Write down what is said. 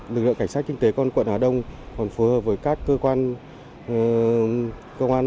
lực lượng cảnh sát kinh tế con quận hà đông còn phù hợp với các cơ quan phường trên địa bàn quận hà đông